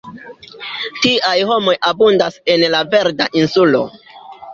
Tiaj homoj abundas en la Verda Insulo.